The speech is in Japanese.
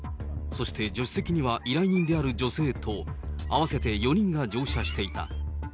そして助手席には依頼人である女性と合わせて４人が乗車していた。